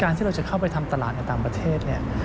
ที่เราจะเข้าไปทำตลาดในต่างประเทศเนี่ย